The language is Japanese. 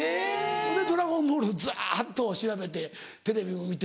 ほんで『ドラゴンボール』ずっと調べてテレビも見て。